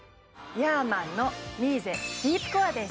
ヤーマンのミーゼディープコアです